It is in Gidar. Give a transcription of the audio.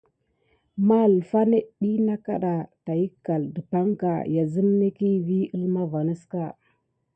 Mahəlfa net ɗyi nakaɗa tayəckal dəpaŋka, ya zət necki vi əlma vanəska.